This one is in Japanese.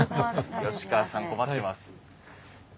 吉川さん困ってます。